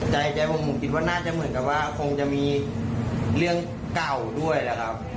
ใจผมผมคิดว่าน่าจะเหมือนกับว่าคงจะมีเรื่องเก่าด้วยแหละครับ